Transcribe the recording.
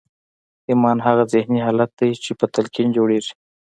ایمان هغه ذهني حالت دی چې په تلقین جوړېږي